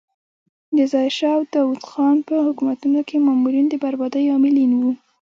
د ظاهر شاه او داود خان په حکومتونو کې مامورین د بربادۍ عاملین وو.